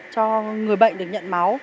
cho người bệnh